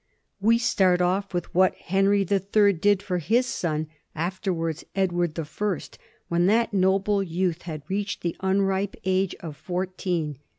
We start off with what Henry the Third did for his son, afterwards Edward the First, when that noble youth had reached the unripe age of fourteen.